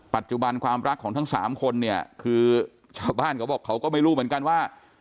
ปัจจุบันความรักของทั้งสามคนเนี่ยคือชาวบ้านเขาบอกเขาก็ไม่รู้เหมือนกันว่า